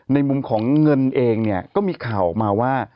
ในมุมของเงินเองเนี่ยก็มีข่าวออกมาว่า